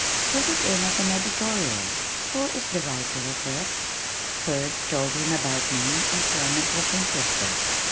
Put it in as an editorial. Who is the writer of it?" Hurd told him about me and Clement was interested.